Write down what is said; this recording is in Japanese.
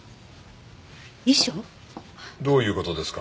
どういう事ですか？